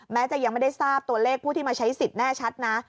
แม้จะยังไม่ได้ทราบตัวเลขผู้ที่มาใช้สิทธิ์แน่ชัดนะ